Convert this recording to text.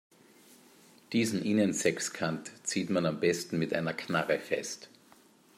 Diesen Innensechskant zieht man am besten mit einer Knarre fest.